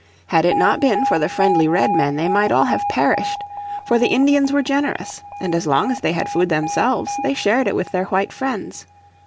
Had it not been for the friendly Redmen they might all have perished. For the Indians were generous, and as long as they had food themselves they shared it with their white friends.